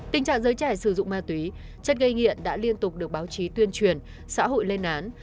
tình trạng giới trẻ sử dụng ma túy chất gây nghiện đã liên tục được báo chí tuyên truyền xã hội lên án